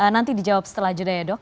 nanti dijawab setelah jeda ya dok